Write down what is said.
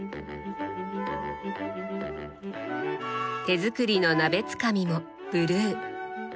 手作りの鍋つかみもブルー。